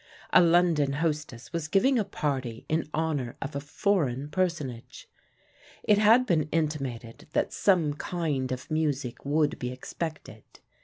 A London hostess was giving a party in honour of a foreign Personage. It had been intimated that some kind of music would be expected.